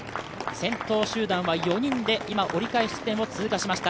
先頭集団は４人で今折り返し地点を通過しました。